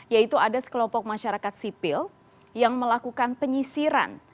yaitu ada sekelompok masyarakat sipil yang melakukan penyisiran